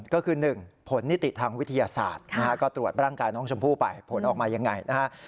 ก็คือ๑ผลนิติทางวิทยาศาสตร์นะฮะก็ตรวจร่างกายน้องชมพู่ไปผลออกมายังไงนะฮะ